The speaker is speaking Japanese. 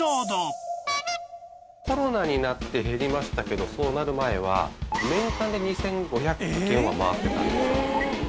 コロナになって減りましたけどそうなる前は年間で２，５００軒は回ってたんですよ。